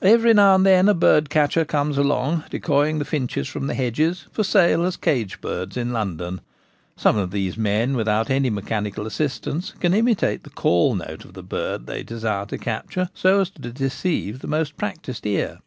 Every now and then a bird catcher comes along decoying the finches from the hedges, for sale as cage birds in London. Some of these men, without any mechanical assistance, can imitate the ' call ' note of the bird they desire to capture so as to deceive the most practised ear.